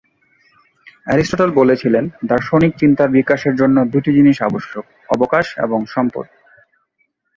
Aristotle বলেছিলেন, দার্শনিক চিন্তার বিকাশের জন্য দুটি জিনিস আবশ্যক: অবকাশ এবং সম্পদ।